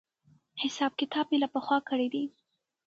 حساب کتاب مې له پخوا کړی دی.